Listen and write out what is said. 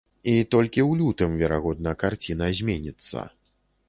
І толькі ў лютым, верагодна, карціна зменіцца.